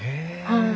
はい。